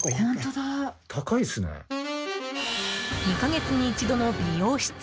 ２か月に一度の美容室